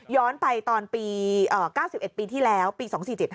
ไปตอนปี๙๑ปีที่แล้วปี๒๔๗๕